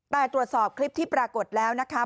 แต่ตรวจสอบคลิปที่ปรากฏแล้วนะคะ